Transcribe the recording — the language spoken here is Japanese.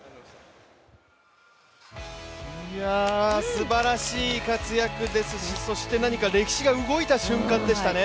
すばらしい活躍ですし、そして何か歴史が動いた瞬間でしたね。